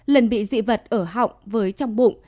lần bị dị vật ở họng với trong bụng